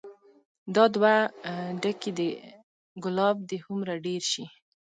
دا دوه ډکي د ګلاب دې هومره ډير شي